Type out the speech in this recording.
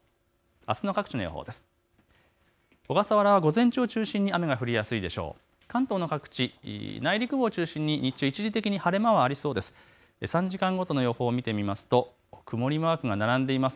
あすの各地の予報です。